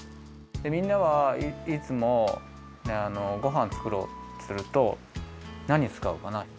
みんなはいつもごはんつくろうとするとなにつかうかな？